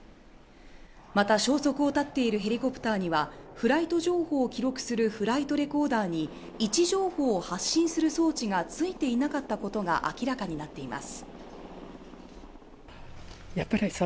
また消息を絶っているヘリコプターにはフライト情報を記録するフライトレコーダーに位置情報を発信する装置がついていなかったことが明らかになっています。